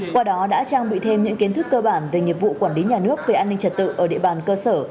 qua đó đã trang bị thêm những kiến thức cơ bản về nghiệp vụ quản lý nhà nước về an ninh trật tự ở địa bàn cơ sở